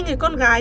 hai người con gái